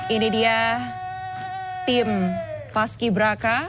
ini dia tim paski braka